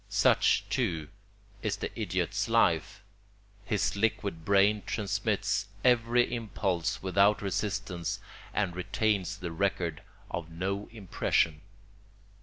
Such, too, is the idiot's life: his liquid brain transmits every impulse without resistance and retains the record of no impression.